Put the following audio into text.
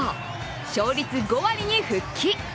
勝率５割に復帰。